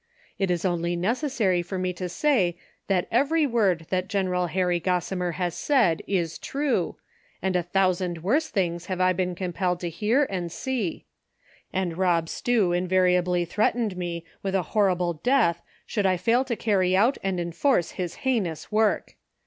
It is only necessary for me to say that every word that General Harry Gossimer hassaidis<?'we, and a thousand worse things liave Ibeen compelled to hear and see ; and Rob Stew invariably threatened me with a horri ble death should I fail to carry out and enforce his heinous work